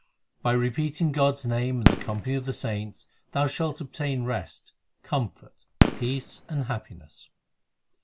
2 By repeating God s name in the company of the saints, Thou shalt obtain rest, comfort, peace, and happiness.